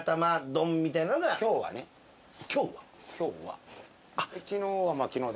今日は。